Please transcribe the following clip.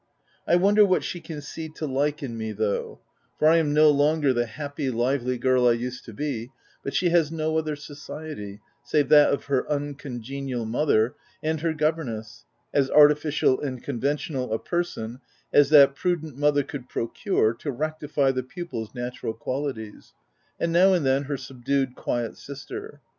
I wonder what she can see to like in me OF WILDFELL HALL. 243 though, for I am no longer the happy, lively girl I used to be ; but she has no other society — save that of her uncongenial mother, and her governess (as artificial and conventional a person as that prudent mother could procure to rectify the pupil's natural qualities), and, now and then, her subdued, quiet sister.